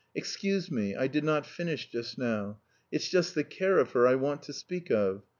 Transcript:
"Excuse me, I did not finish just now. It's just the care of her I want to speak of.